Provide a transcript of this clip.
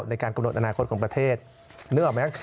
ในการกำหนดอนาคตของประเทศนึกออกไหม